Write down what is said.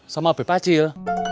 sama beb pacil